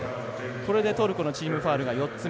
これでトルコのチームファウルは４つ目。